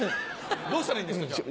どうしたらいいんですかじゃあ。